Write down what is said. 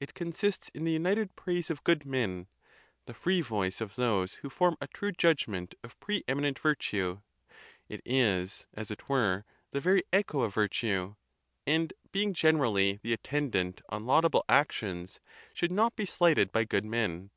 It consists in the united praise of good men, the free voice of those who form a true judgment of pre eminent virtue; it is, as it were, the very echo of virtue; and being generally the 'attendant on laudable actions, should not be slighted by good men.